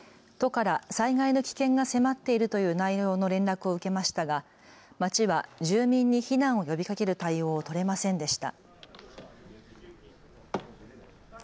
都から災害の危険が迫っているという内容の連絡を受けましたが町は住民に避難を呼びかける対応を取れませんでした。